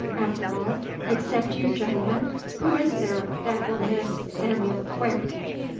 After all, except you gentlemen, who is there that will miss Samuel Quick?"